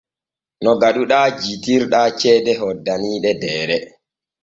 No gaɗuɗaa jittirɗaa ceede hoddaniiɗe Deere.